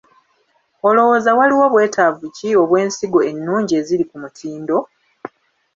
Olowooza waliwo bwetaavu ki obw’ensigo ennungi eziri ku mutindo?